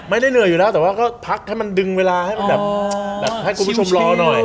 ไม่ได้เงินอยู่แล้วแต่ผักให้มันดึงเวลาให้มีทุกคนรอหน่อย